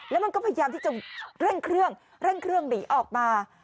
แล้วมันก็พยายามที่จะเร่งเครื่องเร่งเครื่องหนีออกมา